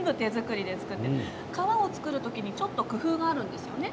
皮を作る時にちょっと工夫があるんですよ。